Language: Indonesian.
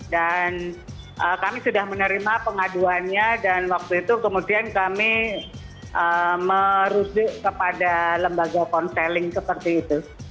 dan kami sudah menerima pengaduannya dan waktu itu kemudian kami merujuk kepada lembaga konseling seperti itu